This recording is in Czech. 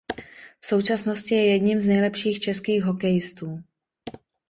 V současnosti je jedním z nejlepších českých hokejistů.